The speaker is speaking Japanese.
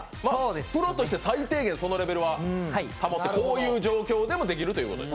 プロとして最低限そのレベルは、こういう状況でもできるということです。